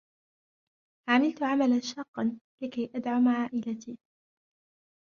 عملت عملا شاقا لكي أدعم عائلتي.